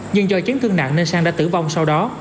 nhưng do chiến thương nạn nên sang đã tử vong sau đó